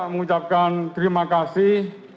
mengucapkan terima kasih